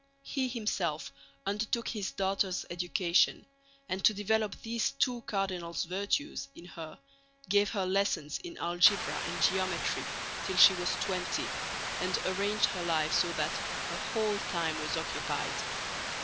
He himself undertook his daughter's education, and to develop these two cardinal virtues in her gave her lessons in algebra and geometry till she was twenty, and arranged her life so that her whole time was occupied.